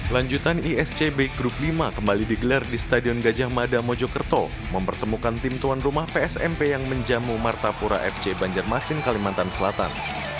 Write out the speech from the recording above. lanjutan iscb grup lima kembali digelar di stadion gajah mada mojokerto mempertemukan tim tuan rumah psmp yang menjamu martapura fc banjarmasin kalimantan selatan